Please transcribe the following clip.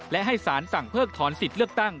และให้สารสั่งเพิกถอนสิทธิ์เลือกตั้ง